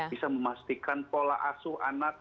bisa memastikan pola asuh anak